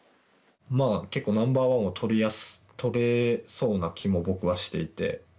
まあ結構ナンバーワンを取れそうな気も僕はしていて。